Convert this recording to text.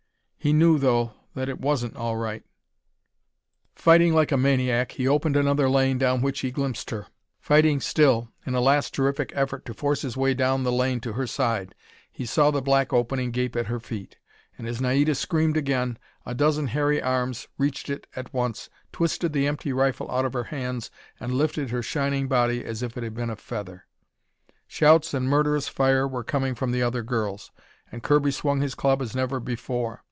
He knew, though, that it wasn't all right. Fighting like a maniac, he opened another lane down which he glimpsed her. Fighting still, in a last terrific effort to force his way down the lane to her side, he saw the black opening gape at her feet; and, as Naida screamed again, a dozen hairy arms reached it at once, twisted the empty rifle out of her hands, and lifted her shining body as if it had been a feather. Shouts and murderous fire were coming from the other girls, and Kirby swung his club as never before.